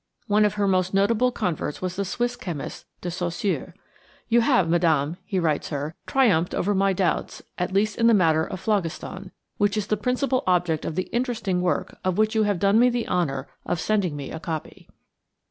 One of her most notable converts was the Swiss chemist, de Saussure. "You have, Madame," he writes her, "triumphed over my doubts, at least in the matter of phlogiston, which is the principal object of the interesting work of which you have done me the honor of sending me a copy."